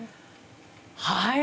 はい。